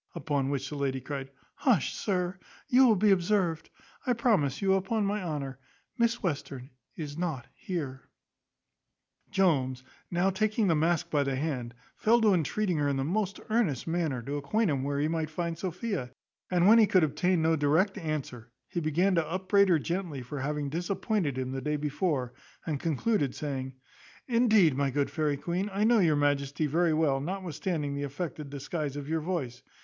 Upon which the lady cried "Hush, sir, you will be observed. I promise you, upon my honour, Miss Western is not here." Jones, now taking the mask by the hand, fell to entreating her in the most earnest manner, to acquaint him where he might find Sophia; and when he could obtain no direct answer, he began to upbraid her gently for having disappointed him the day before; and concluded, saying, "Indeed, my good fairy queen, I know your majesty very well, notwithstanding the affected disguise of your voice.